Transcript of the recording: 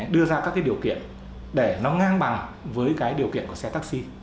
đưa ra các cái điều kiện để nó ngang bằng với cái điều kiện của xe taxi